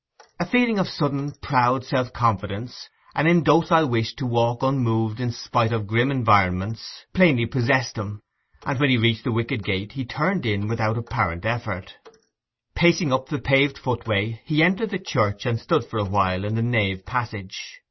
A feeling of sudden, proud self confidence, an indocile wish to walk unmoved in spite of grim environments, plainly possessed him, and when he reached the wicket gate he turned in without apparent effort. Pacing up the paved footway he entered the church and stood for a while in the nave passage.